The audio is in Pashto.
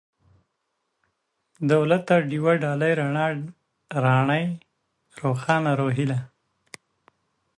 دولته ، ډېوه ، ډالۍ ، رڼا ، راڼۍ ، روښانه ، روهيله